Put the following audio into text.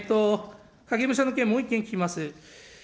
影武者の件、もう一件聞きます。